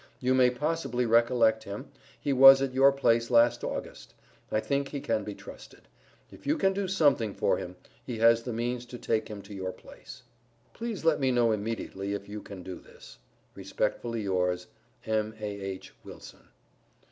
You may possibly recollect him he was at your place last August. I think he can be trusted. If you can do something for him, he has the means to take him to your place. Please let me know immediately if you can do this. Respectfully yours, M.A.H. WILSON.